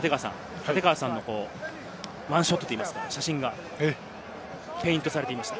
立川さんのワンショットといいますか、写真がペイントされていました。